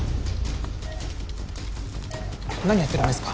何やってるんですか！？